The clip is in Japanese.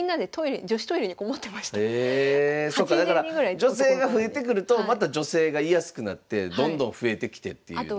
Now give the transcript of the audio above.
そっかだから女性が増えてくるとまた女性がいやすくなってどんどん増えてきてっていうので。